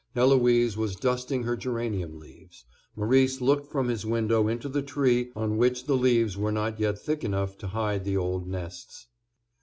Eloise was dusting her geranium leaves. Maurice looked from his window into the tree on which the leaves were not yet thick enough to hide the old nests.